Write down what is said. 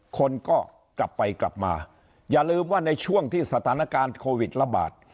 คนก็กลับไปกลับมาอย่าลืมว่าในช่วงที่สถานการณ์โควิดระบาด